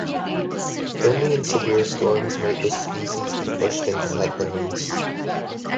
Only in severe storms might this species be pushed into headlands.